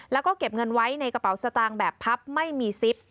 แล้วก็เก็บเงินไว้ในกระเป๋าสตางค์แบบพับไม่มีซิป